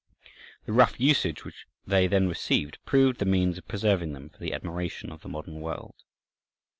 The rough usage which they then received proved the means of preserving them for the admiration of the modern world.